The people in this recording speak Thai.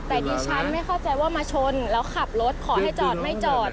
แต่ดิฉันไม่เข้าใจว่ามาชนแล้วขับรถขอให้จอดไม่จอด